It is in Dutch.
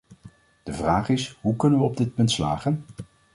De vraag is, hoe kunnen we op dit punt slagen.